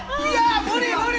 無理、無理！